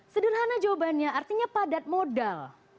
sederhana jawabannya artinya padat modal